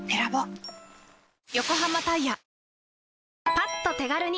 パッと手軽に！